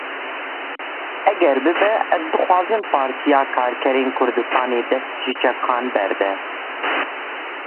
Eger bibe ez dixwazim Partiya Karkerên Kurdistanê dest ji çekan berde.